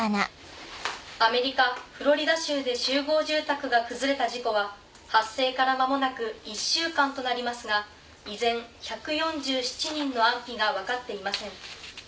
アメリカフロリダ州で集合住宅が崩れた事故は発生から間もなく１週間となりますが依然１４７人の安否が分かっていません。